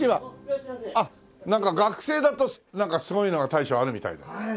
あっ学生だとなんかすごいのが大将あるみたいで。